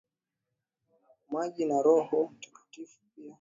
maji na Roho MtakatifuPia akajieleza kuwa mpatanishi wa ulimwengu wa dhambi